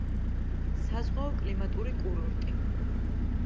საზღვაო კლიმატური კურორტი.